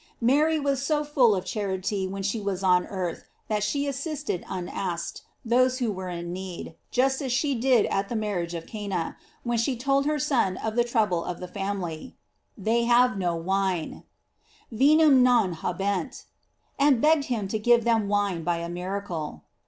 f Mary was so full of charity when she was on earth, that she assisted unasked, those who were in need, just as she did at the mar riage of Cana, when she told her Son of the trouble of the family: They have no wine: "Vin ura non habent,"J and begged him to give them wine by a miracle.